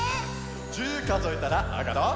１０かぞえたらあがろう。